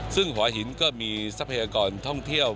ซึ่งหัวหินก็มีทรัพยากรท่องเที่ยว